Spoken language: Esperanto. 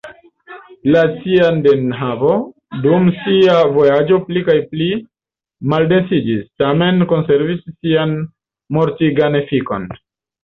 La cianidenhavo dum sia vojaĝo pli kaj pli maldensiĝis, tamen konservis sian mortigan efikon.